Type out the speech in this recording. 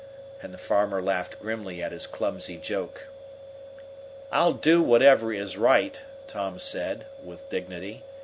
and the farmer laughed grimly at his clumsy joke. "I'll do whatever is right," Tom said, with dignity.